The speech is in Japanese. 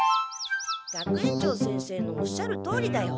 学園長先生のおっしゃるとおりだよ。